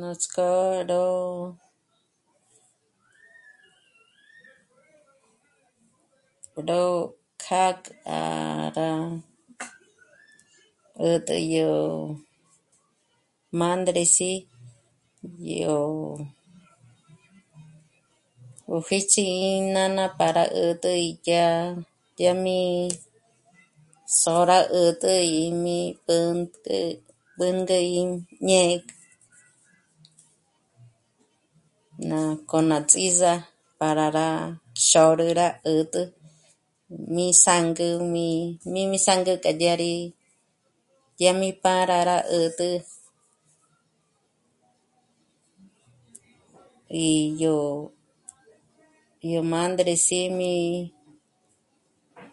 Nuts'k'ó ró... ró kjâ'a k'a rá 'ä̀t'ä yó m'ândres'i yó... 'o jêch'i i nána para 'ä̀t'ä yá, yá mí s'ôra 'ä̀t'ä í mí b'ä̀ngü... b'ângü í jñé'e ná k'ò'o ná ts'íza para rá xôrü rá 'ä̀t'ä mí zângü mí, mí, mí zângü k'a dyâri dyá mí pâra rá 'ä̀t'ä... í yó, yó m'ândres'i mí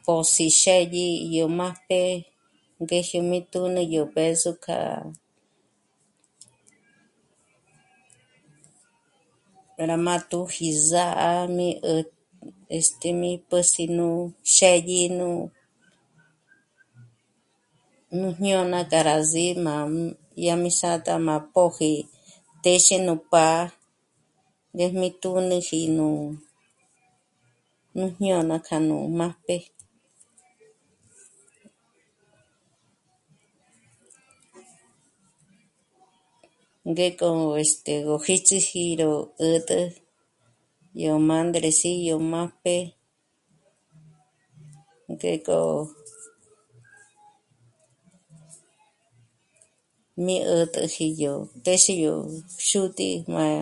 pós'i xë́dyi yó májp'e ngéje mí tǔn'i yó b'ë̌zo k'a rá má tǔji sá'a mí 'ä̀t'..., este mí pä̌s'i nú xë́dyi nú jñôna k'a rá sí'i má mí... yá mi s'ä̌t'ä má póji téxe nú pá'a, ñéjñe tǔn'üji nú... nú jñôna k'a nú májp'e. Ngék'o este... ró jích'iji ró 'ä̀t'ä yó m'ândres'i yó májp'e, ngék'o mí 'ä̀t'äji yó... téxi yó xútǐ'i má... yó xútǐ'i yá mí 'ṓjtjō mbék'a rá ts'áji ngék'o xíts'iji para ró 'ä̀t'ä